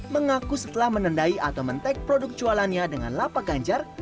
mengaku setelah menendai atau men tag produk jualannya dengan lapak ganjar